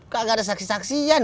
gak ada saksi saksian